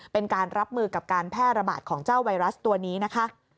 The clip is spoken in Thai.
เป็นการรับมือกับการแพร่ระบาดของเจ้าไวรัสตัวนี้นะคะ